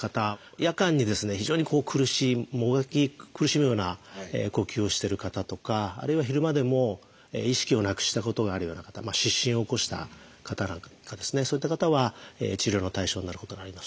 夜間にですね非常に苦しいもがき苦しむような呼吸をしてる方とかあるいは昼間でも意識をなくしたことがあるような方失神を起こした方なんかですねそういった方は治療の対象になることがあります。